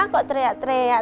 kok teriak teriak